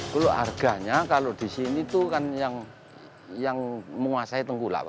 kalau harganya kalau di sini itu kan yang menguasai tengkulak